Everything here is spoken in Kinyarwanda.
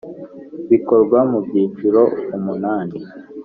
bikorwa mu byiciro umunani.